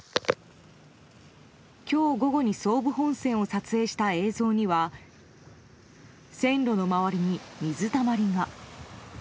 今日午後に総武本線を撮影した映像には線路の周りに水たまりが。